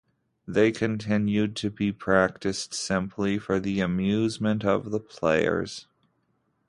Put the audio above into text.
They continued to be practiced simply for the amusement of the players.